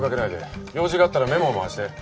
用事があったらメモを回して。